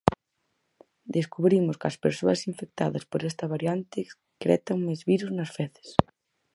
Descubrimos que as persoas infectadas por esta variante excretan máis virus nas feces.